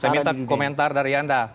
saya minta komentar dari anda